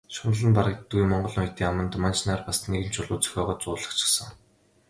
Шунал нь барагддаггүй монгол ноёдын аманд манж нар бас нэгэн чулуу зохиогоод зуулгачихсан.